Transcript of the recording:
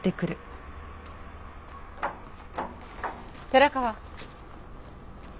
寺川。